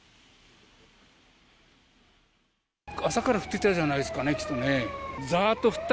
朝から降ってたじゃないんですかね、ちょっとね。